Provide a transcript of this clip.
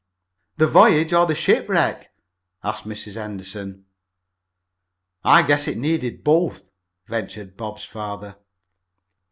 "The voyage or the shipwreck?" asked Mrs. Henderson. "I guess it needed both," ventured Bob's father.